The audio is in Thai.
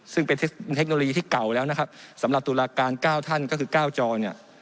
ซึ่งเป็นเทคโนโลยีที่เก่าแล้วนะครับสำหรับตุลาการ๙ท่านก็คือ๙จอเนี่ย